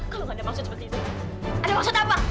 kau nggak ada maksud seperti itu kak ada maksud apa